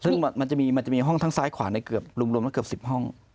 ซึ่งมันจะมีห้องทั้งซ้ายขวาในเกือบรวมแล้วเกือบ๑๐ห้อง